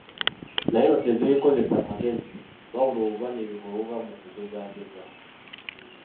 Naye ebyo tezibikozesa magezi, wabula obumanyirivu obuva mu kugezaageza.